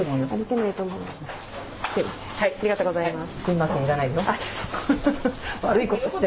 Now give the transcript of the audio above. ありがとうございます。